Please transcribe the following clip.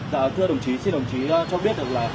và thưa đồng chí xin đồng chí cho biết được là